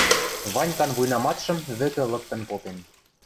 Ванькан вуйнаматшым вӹкӹ лыктын попен...